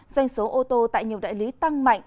doanh số ô tô tại nhiều đại lý tăng mạnh